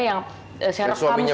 yang saya rekam suaranya